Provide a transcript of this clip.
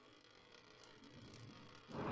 Su nombre significa literalmente "ámbar".